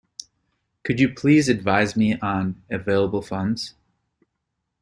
Could you please advise on available funds?